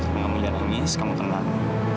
kamu jangan nangis kamu tenang